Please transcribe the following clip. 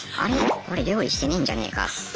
これ料理してねえんじゃねえか？とか。